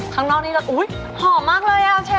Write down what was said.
อ๋อข้างนอกนี้จะอุ๊ยหอมมากเลยอะเชฟ